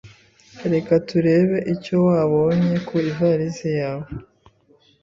Reka turebe icyo wabonye ku ivarisi yawe.